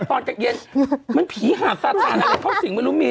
แต่ตอนจักรเย็นมันผีหาดสัตว์ศาลอะไรเพราะสิ่งวิลุมิน